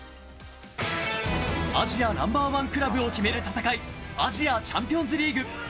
アジアナンバーワンクラブを決める戦い、アジアチャンピオンズリーグ。